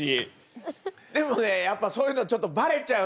でもねやっぱそういうのちょっとバレちゃうのよやっぱ。